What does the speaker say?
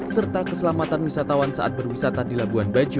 serta keselamatan wisatawan saat berwisata di labuan bajo